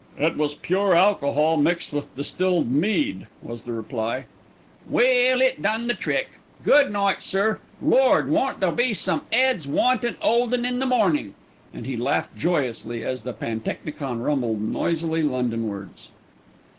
"It was pure alcohol mixed with distilled mead," was the reply. "Well, it done the trick. Good night, sir. Lord! won't there be some 'eads wantin' 'oldin' in the mornin'," and he laughed joyously as the pantechnicon rumbled noisily Londonwards.